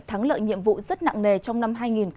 thắng lợi nhiệm vụ rất nặng nề trong năm hai nghìn hai mươi